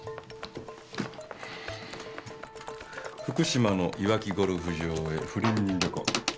福島のいわきゴルフ場へ不倫旅行。